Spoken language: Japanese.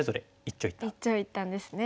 一長一短ですね。